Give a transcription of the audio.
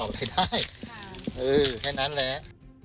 ออกไปได้แค่นั้นแหละ